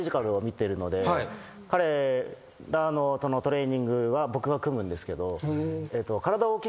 彼らとのトレーニングは僕が組むんですけど。